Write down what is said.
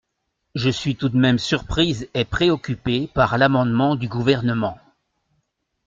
Je suis tout de même surprise et préoccupée par l’amendement du Gouvernement.